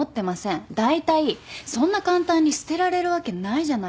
だいたいそんな簡単に捨てられるわけないじゃないですか。